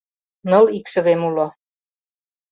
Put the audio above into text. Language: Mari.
— Ныл икшывем уло.